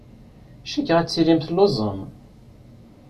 Cikkeɣ ad tilim telluẓem.